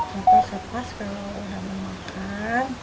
setelah lepas kalau udah mau makan